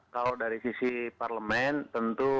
kalau dari sisi parlemen tentu